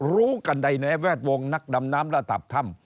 รู้กันใดในแวดวงนักดำน้ำระดับถ้ำ